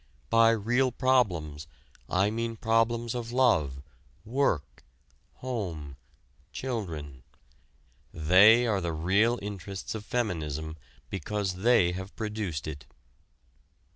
By real problems I mean problems of love, work, home, children. They are the real interests of feminism because they have produced it.